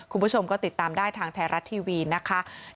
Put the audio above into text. คุณผู้ชมก็ติดตามได้ทางไทยรัฐทีวีนะคะ